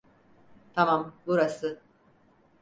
Tamam, burası.